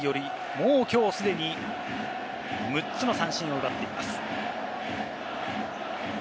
もうきょう、すでに６つの三振を奪っています。